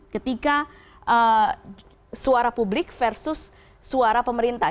ketika suara publik versus suara pemerintah